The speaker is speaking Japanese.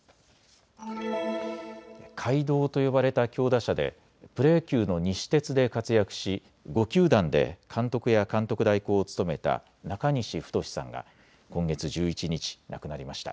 怪童と呼ばれた強打者でプロ野球の西鉄で活躍し５球団で監督や監督代行を務めた中西太さんが今月１１日亡くなりました。